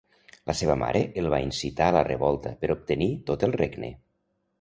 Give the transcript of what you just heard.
La seva mare el va incitar a la revolta per obtenir tot el regne.